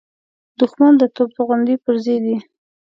د دښمن د توپ د توغندۍ پرزې دي.